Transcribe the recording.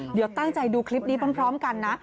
เดี๋ยวตั้งใจดูคลิปนี้พร้อมกันนะ